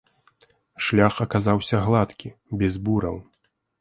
Шлях аказаўся гладкі, без бураў.